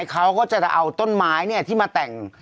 เขาก็จะเอาต้นไม้ที่มาแต่ง